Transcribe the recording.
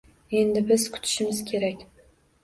Endi biz kutishimiz kerak